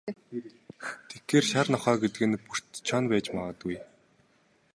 Тэгэхээр, шар нохой гэдэг нь Бөртэ Чоно байж магадгүй.